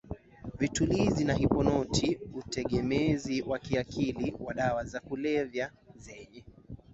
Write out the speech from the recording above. Vitulizi na hiponoti utegemezi wa kiakili wa dawa za kulevya zenye